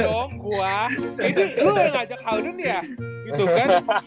eh itu lu yang ngajak harden ya gitu kan